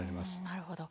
なるほど。